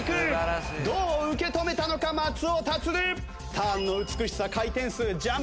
ターンの美しさ回転数ジャンプ力。